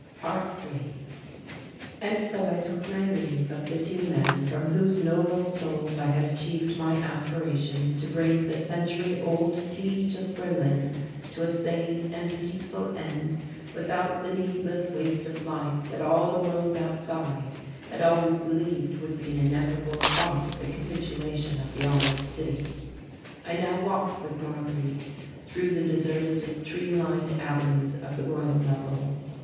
~3~ And so I took my leave of the two men from whose noble souls I had achieved my aspirations to bring the century old siege of Berlin to a sane and peaceful end without the needless waste of life that all the world outside had always believed would be an inevitable part of the capitulation of the armoured city. I now walked with Marguerite through the deserted tree lined avenues of the Royal Level.